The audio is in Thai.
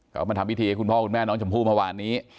เขามาทำพิธีให้คุณพ่อคุณแม่น้องชมพู่เมื่อวานนี้